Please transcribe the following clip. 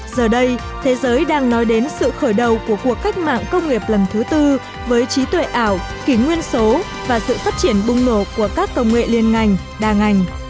giờ đây thế giới đang nói đến sự khởi đầu của cuộc cách mạng công nghiệp lần thứ tư với trí tuệ ảo kỷ nguyên số và sự phát triển bùng nổ của các công nghệ liên ngành đa ngành